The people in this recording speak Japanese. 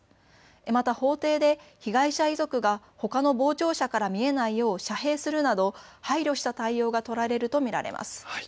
また法廷で被害者遺族がほかの傍聴者から見えないよう遮蔽するなど配慮した対応が取られると見られます。